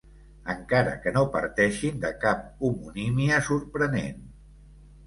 Encara que no parteixin de cap homonímia sorprenent.